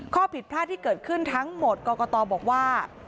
ข้อผิดพลาดที่เกิดขึ้นทั้งหมดกรกตบอกว่า